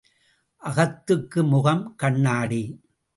அகத்துக்கு முகம் கண்ணாடி.